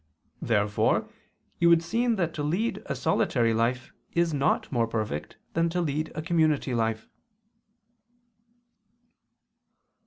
Therefore it would seem that to lead a solitary life is not more perfect than to lead a community life.